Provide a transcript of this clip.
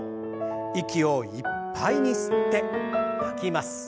息をいっぱいに吸って吐きます。